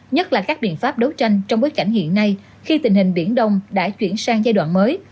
nhất là các biện pháp đấu tranh trong bối cảnh hiện nay khi tình hình biển đông đã chuyển sang giai đoạn mới